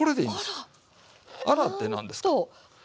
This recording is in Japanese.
「あら」って何です？